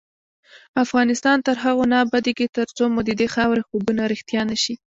افغانستان تر هغو نه ابادیږي، ترڅو مو ددې خاورې خوبونه رښتیا نشي.